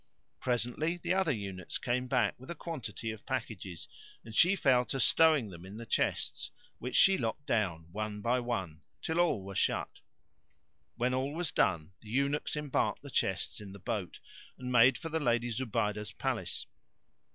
Presently the other eunuchs came back with a quantity of packages and she fell to stowing them in the chests, which she locked down, one by one, till all were shut. When all was done the eunuchs embarked the chests in the boat and made for the Lady Zubaydah's palace.